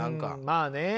まあね。